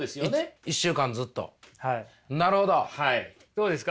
どうですか。